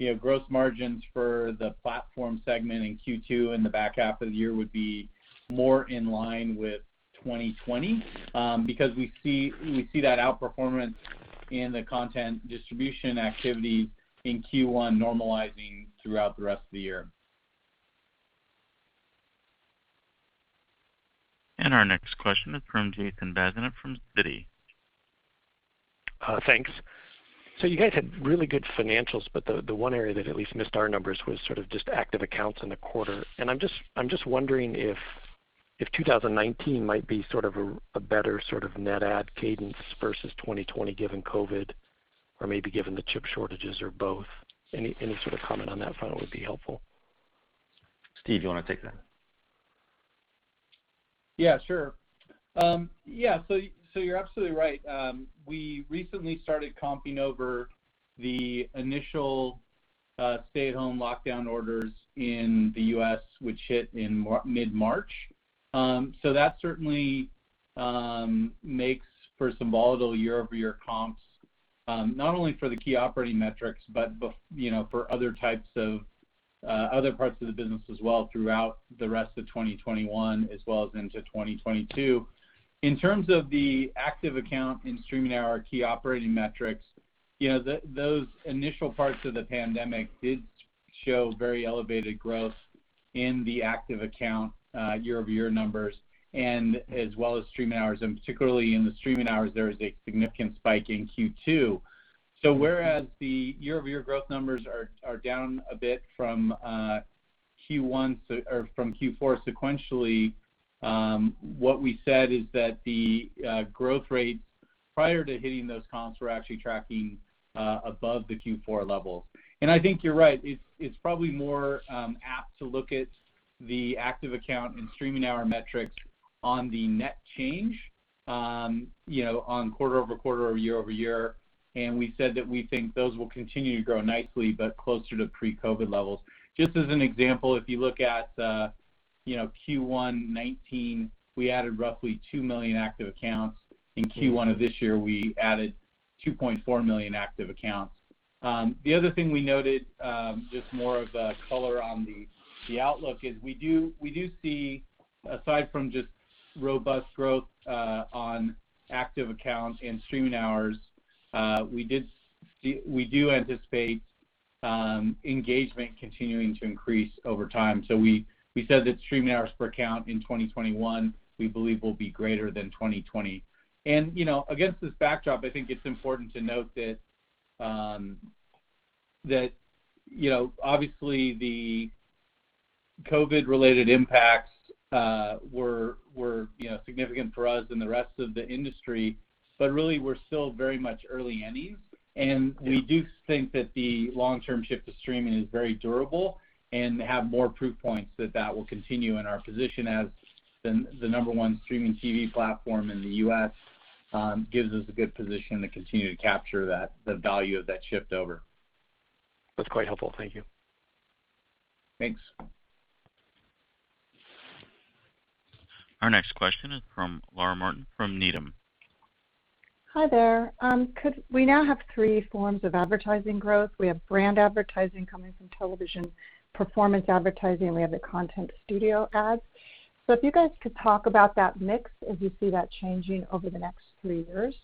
know, gross margins for the platform segment in Q2 in the back half of the year would be more in line with 2020 because we see that outperformance in the content distribution activity in Q1 normalizing throughout the rest of the year. Our next question is from Jason Bazinet from Citi. Thanks. You guys had really good financials, but the one area that at least missed our numbers was sort of just active accounts in the quarter. I'm just wondering if 2019 might be sort of a better sort of net add cadence versus 2020 given COVID, or maybe given the chip shortages, or both. Any sort of comment on that front would be helpful. Steve, you wanna take that? Yeah, sure. Yeah, so you're absolutely right. We recently started comping over the initial stay-at-home lockdown orders in the U.S., which hit in mid-March. That certainly makes for some volatile year-over-year comps, not only for the key operating metrics, but, you know, for other types of other parts of the business as well throughout the rest of 2021 as well as into 2022. In terms of the active account and streaming hour key operating metrics, you know, those initial parts of the pandemic did show very elevated growth in the active account year-over-year numbers and as well as streaming hours. Particularly in the streaming hours, there is a significant spike in Q2. Whereas the year-over-year growth numbers are down a bit from Q1 or from Q4 sequentially, what we said is that the growth rates prior to hitting those comps were actually tracking above the Q4 levels. I think you're right. It's probably more apt to look at the active account and streaming hour metrics on the net change, you know, on quarter-over-quarter or year-over-year, and we said that we think those will continue to grow nicely but closer to pre-COVID levels. Just as an example, if you look at, you know, Q1 2019, we added roughly 2 million active accounts. In Q1 of this year, we added 2.4 million active accounts. The other thing we noted, just more of a color on the outlook is we do see, aside from just robust growth, on active accounts and streaming hours, we do anticipate engagement continuing to increase over time. We said that streaming hours per account in 2021 we believe will be greater than 2020. You know, against this backdrop, I think it's important to note that, you know, obviously the COVID-19-related impacts were, you know, significant for us and the rest of the industry, but really, we're still very much early innings. We do think that the long-term shift to streaming is very durable and have more proof points that that will continue. Our position as the number one streaming TV platform in the U.S., gives us a good position to continue to capture that, the value of that shift over. That's quite helpful. Thank you. Thanks. Our next question is from Laura Martin from Needham. Hi there. We now have three forms of advertising growth. We have brand advertising coming from television, performance advertising, and we have the content studio ads. If you guys could talk about that mix as you see that changing over the next three years,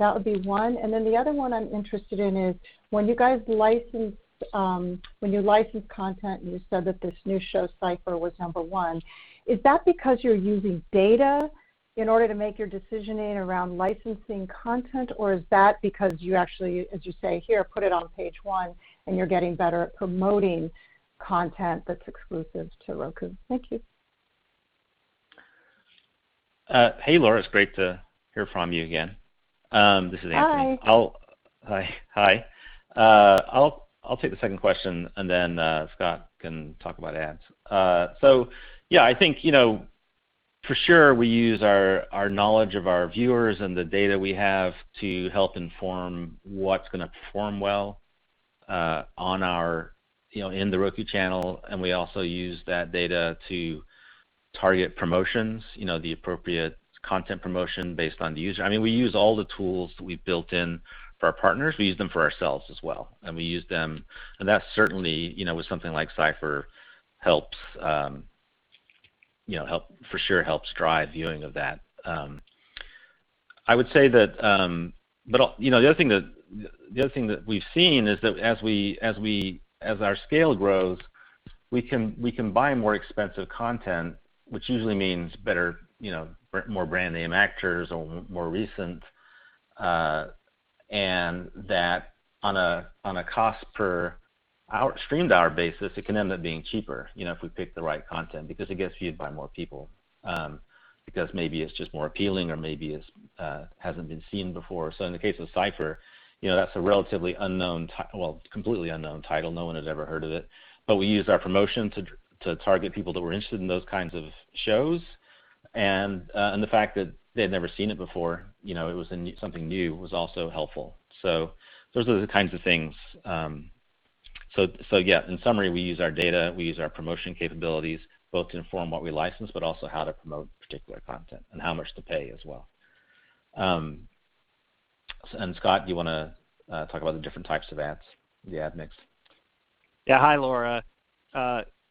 that would be one. The other one I'm interested in is when you guys licensed, when you license content, and you said that this new show, Cypher, was number one, is that because you're using data in order to make your decision in around licensing content? Or is that because you actually, as you say, "Here, put it on page 1," and you're getting better at promoting content that's exclusive to Roku? Thank you. Hey, Laura. It's great to hear from you again. This is Anthony. Hi. Hi. Hi. I'll take the second question. Then Scott can talk about ads. Yeah, I think, you know, for sure, we use our knowledge of our viewers and the data we have to help inform what's gonna perform well on our, you know, in The Roku Channel. We also use that data to target promotions, you know, the appropriate content promotion based on the user. I mean, we use all the tools we've built in for our partners. We use them for ourselves as well, and we use them. That certainly, you know, with something like Cypher helps, for sure helps drive viewing of that. I would say that, you know, the other thing that we've seen is that as our scale grows, we can buy more expensive content, which usually means better, you know, more brand name actors or more recent, and that on a cost per streamed hour basis, it can end up being cheaper, you know, if we pick the right content because it gets viewed by more people, because maybe it's just more appealing or maybe it hasn't been seen before. In the case of Cypher, you know, that's a relatively unknown well, completely unknown title. No one has ever heard of it. We used our promotion to target people that were interested in those kinds of shows. The fact that they had never seen it before, you know, it was something new, was also helpful. Those are the kinds of things. Yeah, in summary, we use our data, we use our promotion capabilities, both to inform what we license, but also how to promote particular content and how much to pay as well. And Scott, do you wanna talk about the different types of ads, the ad mix? Hi, Laura.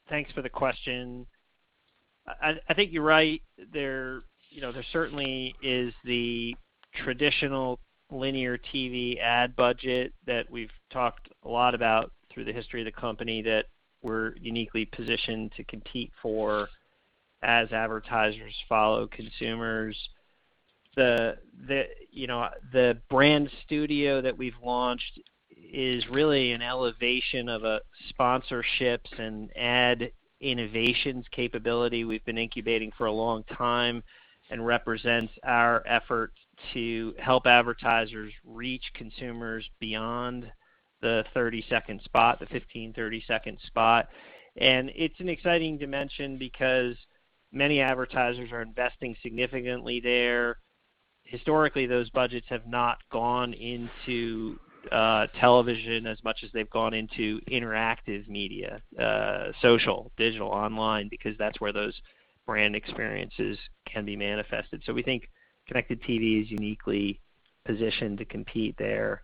Thanks for the question. I think you're right. There, you know, there certainly is the traditional linear TV ad budget that we've talked a lot about through the history of the company that we're uniquely positioned to compete for as advertisers follow consumers. The, you know, the Brand Studio that we've launched is really an elevation of sponsorships and ad innovations capability we've been incubating for a long time and represents our effort to help advertisers reach consumers beyond the thirty-second spot, the fifteen thirty-second spot. It's an exciting dimension because many advertisers are investing significantly there. Historically, those budgets have not gone into television as much as they've gone into interactive media, social, digital, online, because that's where those brand experiences can be manifested. We think connected TV is uniquely positioned to compete there.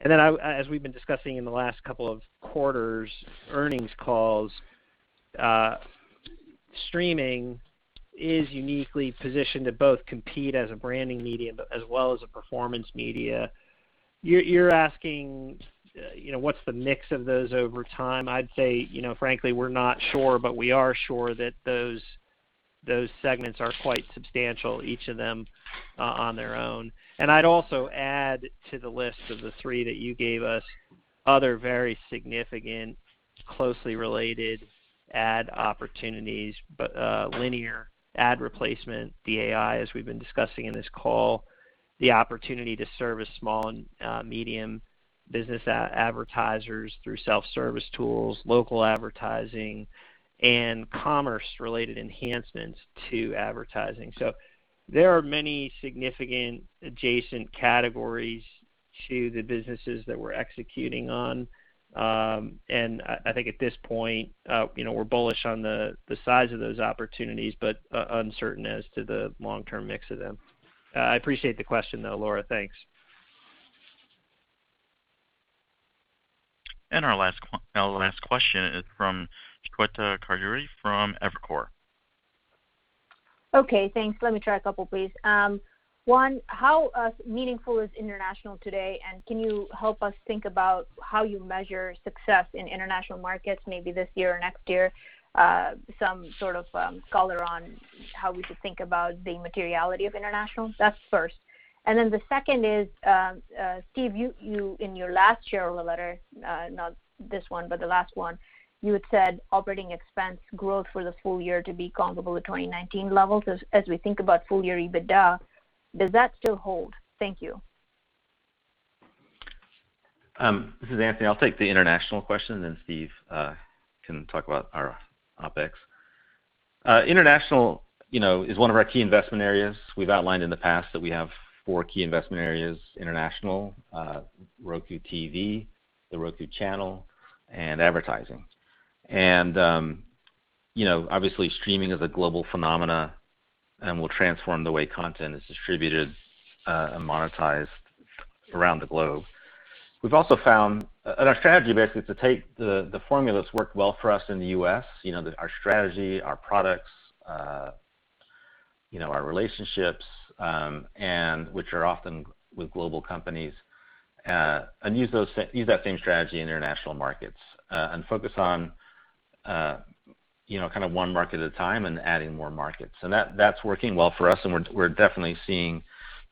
As we've been discussing in the last couple of quarters' earnings calls, streaming is uniquely positioned to both compete as a branding medium, but as well as a performance media. You're asking, you know, what's the mix of those over time? I'd say, you know, frankly, we're not sure, but we are sure that those segments are quite substantial, each of them on their own. I'd also add to the list of the three that you gave us, other very significant, closely related ad opportunities. Linear ad replacement, DAI, as we've been discussing in this call, the opportunity to service small and medium business advertisers through self-service tools, local advertising, and commerce-related enhancements to advertising. There are many significant adjacent categories to the businesses that we're executing on. I think at this point, you know, we're bullish on the size of those opportunities, but uncertain as to the long-term mix of them. I appreciate the question, though, Laura. Thanks. Our last question is from Shweta Khajuria from Evercore. Okay, thanks. Let me try a couple, please. One, how meaningful is international today? Can you help us think about how you measure success in international markets, maybe this year or next year? Some sort of color on how we should think about the materiality of international. That's first. The second is, Steve, you in your last share owner letter, not this one, but the last one, you had said operating expense growth for the full year to be comparable to 2019 levels. As we think about full year EBITDA, does that still hold? Thank you. This is Anthony. I'll take the international question, and then Steve can talk about our OpEx. International, you know, is one of our key investment areas. We've outlined in the past that we have four key investment areas: international, Roku TV, The Roku Channel, and advertising. You know, obviously streaming is a global phenomena and will transform the way content is distributed and monetized around the globe. We've also found our strategy basically is to take the formulas that worked well for us in the U.S., you know, our strategy, our products, you know, our relationships, and which are often with global companies, and use that same strategy in international markets, and focus on, you know, kind of one market at a time and adding more markets. That's working well for us, and we're definitely seeing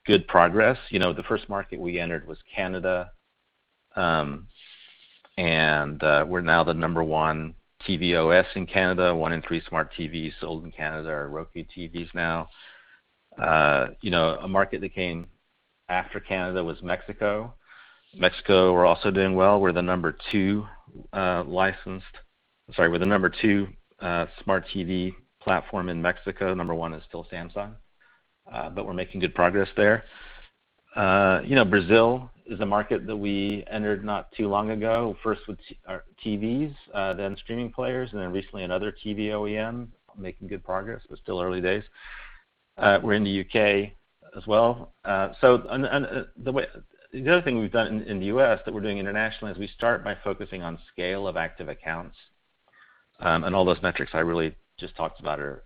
good progress. You know, the first market we entered was Canada, and we're now the number one TV OS in Canada. One in three smart TVs sold in Canada are Roku TVs now. You know, a market that came after Canada was Mexico. Mexico, we're also doing well. We're the number two licensed smart TV platform in Mexico. Number one is still Samsung. We're making good progress there. You know, Brazil is a market that we entered not too long ago, first with our TVs, then streaming players, and then recently another TV OEM. Making good progress, but still early days. We're in the U.K. as well. The other thing we've done in the U.S. that we're doing internationally is we start by focusing on scale of active accounts, and all those metrics I really just talked about are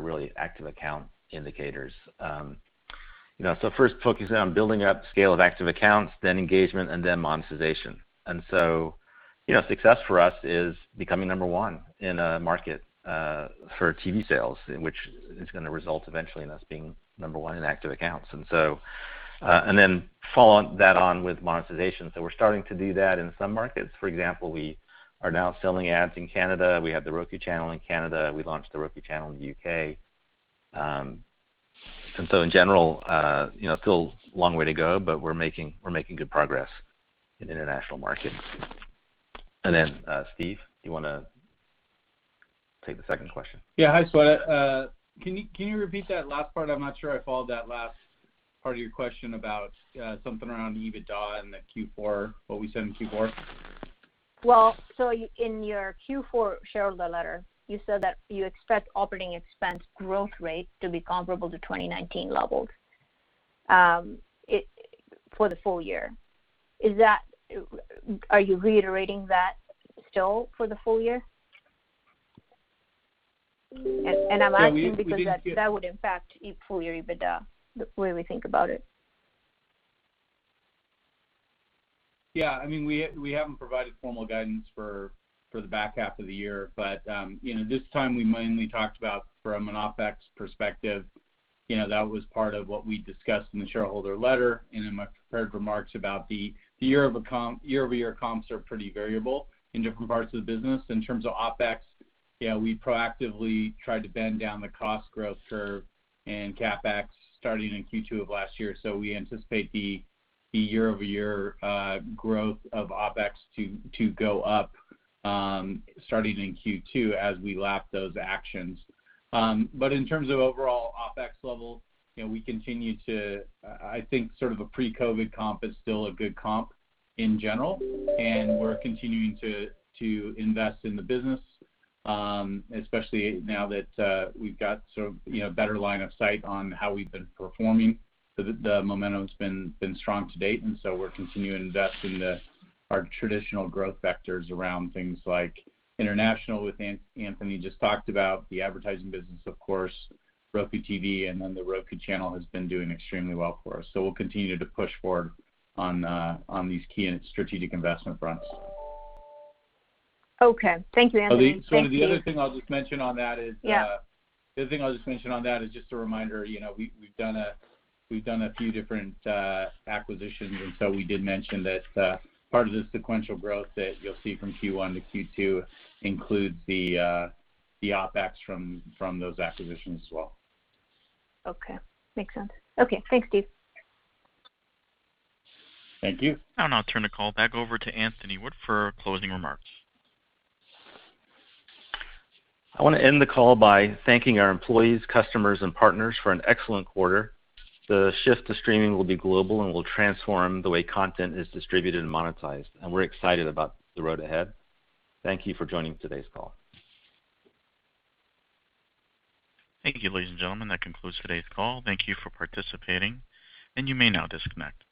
really active account indicators. You know, first focusing on building up scale of active accounts, then engagement, and then monetization. You know, success for us is becoming number 1 in a market for TV sales, which is going to result eventually in us being number one in active accounts. Then follow that on with monetization. We're starting to do that in some markets. For example, we are now selling ads in Canada. We have The Roku Channel in Canada. We launched The Roku Channel in the U.K. In general, you know, still a long way to go, but we're making good progress in international markets. Steve, you wanna take the second question? Yeah. Hi, Shweta. can you repeat that last part? I'm not sure I followed that last part of your question about something around EBITDA and the Q4, what we said in Q4? In your Q4 shareholder letter, you said that you expect operating expense growth rate to be comparable to 2019 levels for the full year. Are you reiterating that still for the full year? Yeah, we didn't give I'm asking because that would impact full year EBITDA the way we think about it. Yeah, I mean, we haven't provided formal guidance for the back half of the year. You know, this time we mainly talked about from an OpEx perspective. You know, that was part of what we discussed in the shareholder letter and in my prepared remarks about the year-over-year comps are pretty variable in different parts of the business. In terms of OpEx, you know, we proactively tried to bend down the cost growth curve and CapEx starting in Q2 of last year. We anticipate the year-over-year growth of OpEx to go up starting in Q2 as we lap those actions. In terms of overall OpEx level, you know, we continue to I think sort of a pre-COVID comp is still a good comp in general, and we're continuing to invest in the business, especially now that we've got sort of, you know, better line of sight on how we've been performing. The momentum's been strong to date, we're continuing to invest in our traditional growth vectors around things like international, which Anthony just talked about, the advertising business of course, Roku TV, and then The Roku Channel has been doing extremely well for us. We'll continue to push forward on these key and strategic investment fronts. Okay. Thank you, Anthony. So the Thanks, Steve. The other thing I'll just mention on that is. Yeah The thing I'll just mention on that is just a reminder, you know, we've done a few different acquisitions. We did mention that part of the sequential growth that you'll see from Q1 to Q2 includes the OpEx from those acquisitions as well. Okay. Makes sense. Okay. Thanks, Steve. Thank you. I'll now turn the call back over to Anthony Wood for closing remarks. I wanna end the call by thanking our employees, customers, and partners for an excellent quarter. The shift to streaming will be global and will transform the way content is distributed and monetized, and we're excited about the road ahead. Thank you for joining today's call. Thank you, ladies and gentlemen. That concludes today's call. Thank you for participating, and you may now disconnect.